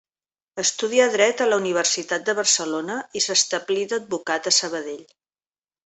Estudià dret a la universitat de Barcelona i s'establí d'advocat a Sabadell.